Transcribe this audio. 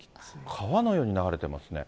川のように流れてますね。